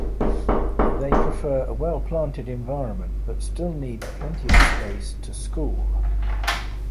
They prefer a well-planted environment, but still need plenty of space to school.